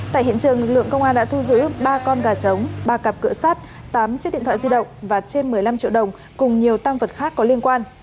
tại hiện trường lực lượng công an đã thu giữ ba con gà trống ba cặp cửa sát tám chiếc điện thoại di động và trên một mươi năm triệu đồng cùng nhiều tăng vật khác có liên quan